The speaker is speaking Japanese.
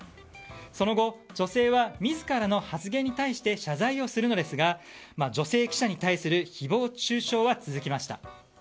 その後、女性は自らの発言に対して謝罪をするのですが女性記者に対する誹謗中傷は続きました。